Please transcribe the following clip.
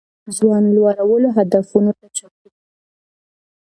ځان لوړو هدفونو ته چمتو کړه.